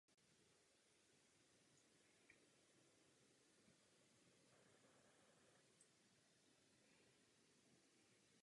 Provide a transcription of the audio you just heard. Angažovala se proti válce ve Vietnamu a apartheidu v Jihoafrické republice.